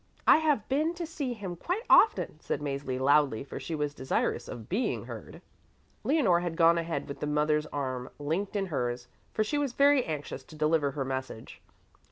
I have been to see him quite often," said Mäzli loudly, for she was desirous of being heard. Leonore had gone ahead with the mother's arm linked in hers, for she was very anxious to deliver her message.